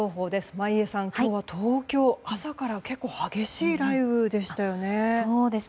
眞家さん、今日は東京、朝から結構激しい雷雨でしたよね。